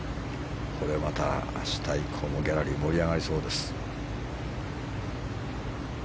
これまた明日以降もギャラリー盛り上がりそうです。